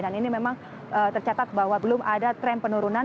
dan ini memang tercatat bahwa belum ada tren penurunan